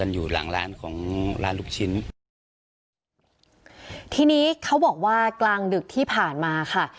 อยู่หลังร้านของร้านลูกชิ้นทีนี้เขาบอกว่ากลางดึกที่ผ่านมาค่ะ